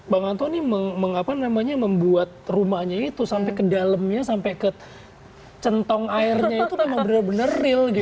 bang anto ini apa namanya membuat rumahnya itu sampe ke dalemnya sampe ke centong airnya itu memang bener bener real gitu